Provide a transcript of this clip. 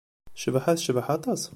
Cabḥa tecbeḥ aṭas.